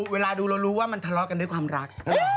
เวลาดูเรารู้ว่ามันทะเลาะกันด้วยความรัก